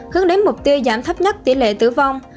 hướng đến mục tiêu giảm thấp nhất tỷ lệ tử vong